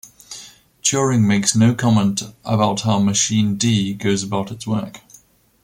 Turing makes no comment about how machine D goes about its work.